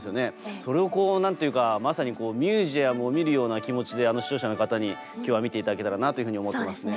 それを何と言うかまさにミュージアムを見るような気持ちで視聴者の方に今日は見て頂けたらなというふうに思ってますね。